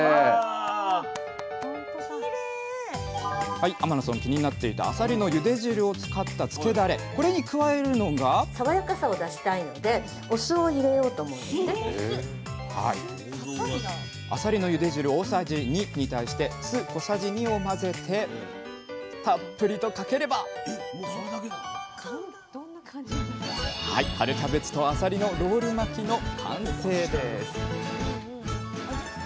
はい天野さん気になっていたあさりのゆで汁を使ったつけだれこれに加えるのがあさりのゆで汁大さじ２に対して酢小さじ２を混ぜてたっぷりとかければ春キャベツとあさりのロール巻きの完成です！